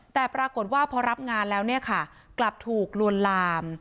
แต่ปรากฏว่าพอรับงานแล้วเนี่ยค่ะกลับถูกลวนลาม